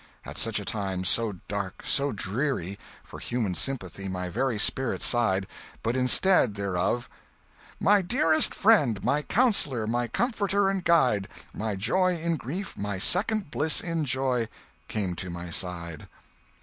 "At such a time, so dark, so dreary, for human sympathy my very spirit sighed; but instead thereof, "'My dearest friend, my counsellor, my comforter and guide—My joy in grief, my second bliss in joy,' came to my side.